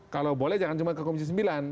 kalau boleh jangan cuma ke komisi sembilan